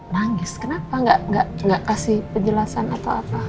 nangis kenapa gak kasih penjelasan atau apa